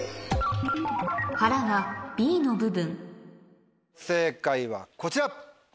腹はＢの部分正解はこちら。